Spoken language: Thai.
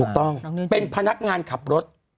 ถูกต้องเป็นพนักงานขับรถ